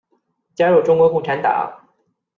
加入中国共产党。